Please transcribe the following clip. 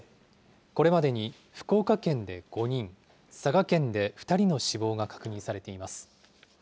これまでに福岡県で５人、佐賀県で２人の死亡が確認されています。